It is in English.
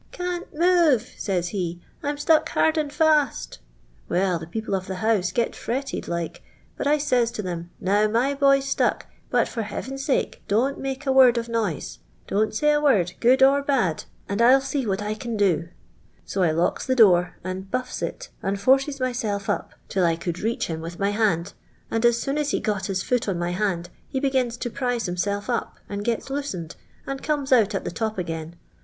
* Can't move,' says he, * I'm stuck : hard and f;ist.' Well, the people of the house g«l fretted like, but I says to them, • Now my boj'l : stuck, but for Ucaven's sake don*t make a word I of noise; don't &:iy a word, good or bad, nnd I'll LONDON LABOUR AND TUB LONDON FOOR. 369 see what I can do.' So I locki the doer, and buflfi it, and forces mjself up till I could reach hi:Q with my hand, and as soon as he got his foot on my hand he begins to prise himself up, and gets looeened, and comes out at the top again.